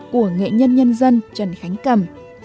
của nghệ nhân nhân dân trần khánh cầm